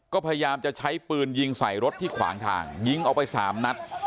ก็พยายามจะใช้ปืนยิงใส่รถที่ขวางทางยิงออกไป๓นัด